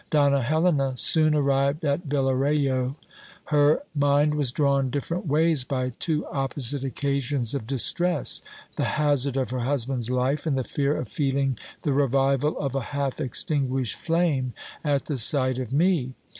Donna Helena soon arrived at Villarejo. Her mind was drawn different ways by two opposite occasions of distress ; the hazard of her husband's life, and the fear of feeling the revival of a half extinguished flame at the sight of me.